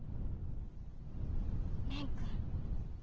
蓮君。